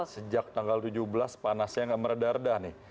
sejak tanggal tujuh belas panasnya nggak meredarda nih